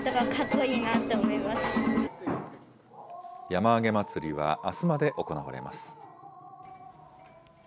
山あげ祭はあすまで行われます。